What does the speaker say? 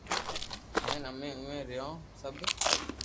ھين امي اووي رھيو سب